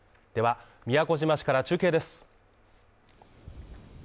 宮古島市から中継です。